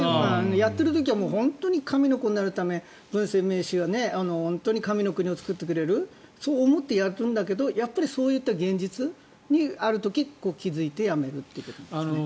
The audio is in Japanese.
やっている時は本当に神の子になるためブン・センメイ氏が本当に神の国を作ってくれると思って、やるんだけどやっぱりそういった現実にある時気付いてやめるということなんですね。